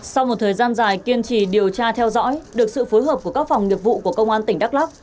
sau một thời gian dài kiên trì điều tra theo dõi được sự phối hợp của các phòng nghiệp vụ của công an tỉnh đắk lắc